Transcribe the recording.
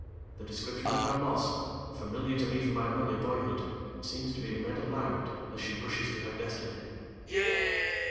The description of her loss, familiar to me from my early boyhood, seems to be read aloud as she rushes to her destiny.